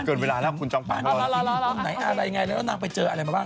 มันเกินเวลาแล้วคุณจังป้านที่ไหนอะไรไงแล้วนางไปเจออะไรมาบ้าง